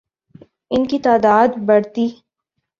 ان کی تعداد بڑھتی